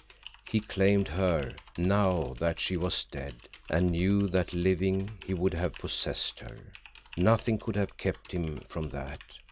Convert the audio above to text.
He claimed her, now that she was dead, and knew that living he would have possessed her. Nothing could have kept him from that.